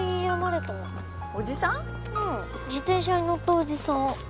自転車に乗ったおじさん。